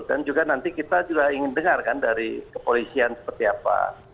dan juga nanti kita juga ingin dengarkan dari kepolisian seperti apa